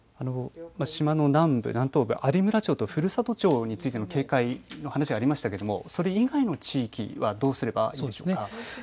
島の南部、南東部、有村町と古里町についての警戒の話がありましたがそれ以外の地域はどうすればいいでしょうか。